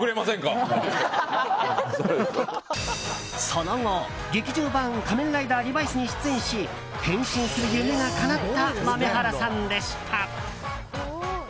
その後、劇場版「仮面ライダーリバイス」に出演し、変身する夢がかなった豆原さんでした。